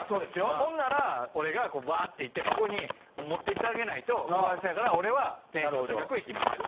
ほんなら俺がバーッていってここに持っていってあげないとかわいそうやから俺はテンション高くいきますよ。